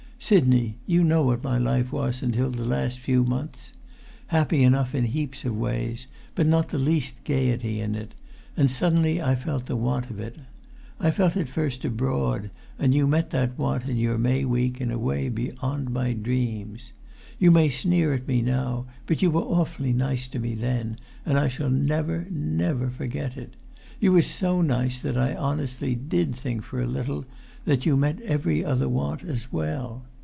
Sidney, you know what my life was until the last few months? Happy enough in heaps of ways, but not the least gaiety in it; and suddenly I felt the want of it. I felt it first abroad, and you met that want in your May week in a way beyond my dreams. You may sneer at me now, but you were awfully nice to me then, and I shall never, never forget it. You were so nice that I honestly did think for a little that you met every other want as well!